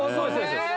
そうです